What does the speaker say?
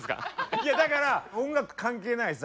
いやだから音楽関係ないさ。